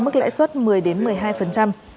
mức lãi suất một mươi một mươi hai